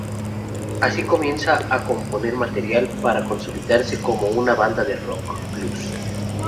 Así comienza a componer material para consolidarse como una banda de Rock-Blues.